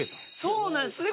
そうなんですよ。